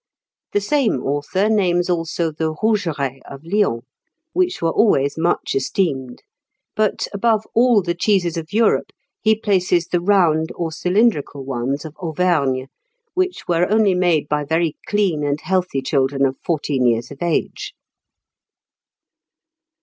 The same author names also the rougerets of Lyons, which were always much esteemed; but, above all the cheeses of Europe, he places the round or cylindrical ones of Auvergne, which were only made by very clean and healthy children of fourteen years of age.